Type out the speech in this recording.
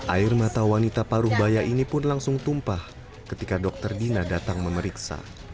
air mata wanita paruh baya ini pun langsung tumpah ketika dokter dina datang memeriksa